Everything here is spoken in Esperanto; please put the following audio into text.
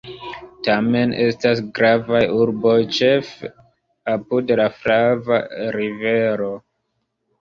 Tamen estas gravaj urboj, ĉefe apud la Flava Rivero.